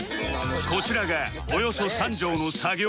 こちらがおよそ３畳の作業部屋